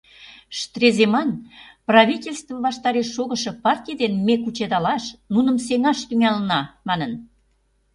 Штреземан «правительстве ваштареш шогышо партий дене ме кучедалаш, нуным сеҥаш тӱҥалына» манын.